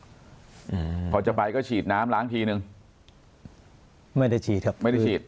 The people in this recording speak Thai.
อืมพอจะไปก็ฉีดน้ำล้างทีนึงไม่ได้ฉีดครับไม่ได้ฉีด